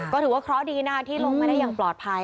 ก็ถือว่าเคราะห์ดีนะคะที่ลงมาได้อย่างปลอดภัย